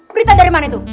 berita dari mana tuh